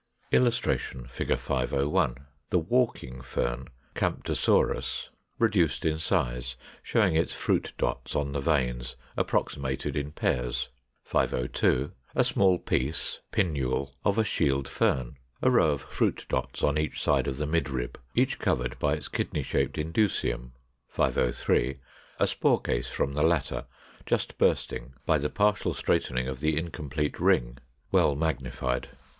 [Illustration: Fig. 501. The Walking Fern, Camptosorus, reduced in size, showing its fruit dots on the veins approximated in pairs. 502. A small piece (pinnule) of a Shield Fern: a row of fruit dots on each side of the midrib, each covered by its kidney shaped indusium. 503. A spore case from the latter, just bursting by the partial straightening of the incomplete ring; well magnified.